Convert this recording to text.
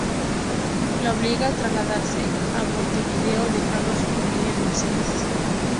Lo obliga a trasladarse a Montevideo, dejando a su familia en Mercedes.